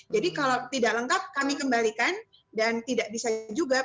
jadi kalau tidak lengkap kami kembalikan dan tidak bisa juga